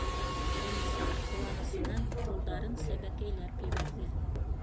Әнисә ҡыуанысынан ҡулдарын сәбәкәйләп ебәрҙе.